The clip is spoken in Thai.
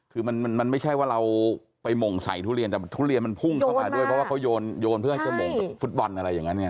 คือมันไม่ใช่ว่าเราไปหม่งใส่ทุเรียนแต่ทุเรียนมันพุ่งเข้ามาด้วยเพราะว่าเขาโยนเพื่อให้จะหม่งแบบฟุตบอลอะไรอย่างนั้นไง